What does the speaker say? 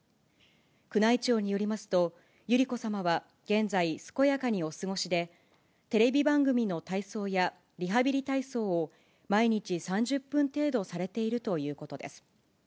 宮内庁によりますと、百合子さまは現在、健やかにお過ごしで、テレビ番組の体操やリハビリ体操を毎日３０分程度されているということです。